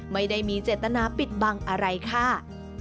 ไม่ได้มีเจตนาปิดบังอะไรค่ะ